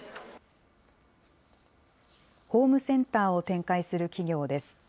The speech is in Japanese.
ホームセンターを展開する企業です。